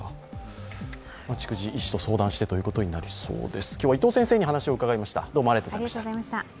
逐次、医師と相談してということになりそうです。